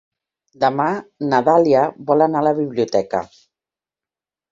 Demà na Dàlia vol anar a la biblioteca.